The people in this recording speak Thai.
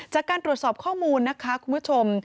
จากการตรวจสอบข้อมูลนะคะคุณผู้ชม